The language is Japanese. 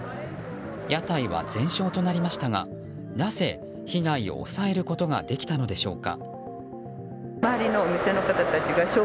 屋台は全焼となりましたがなぜ、被害を抑えることができたのでしょうか。